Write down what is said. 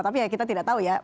tapi ya kita tidak tahu ya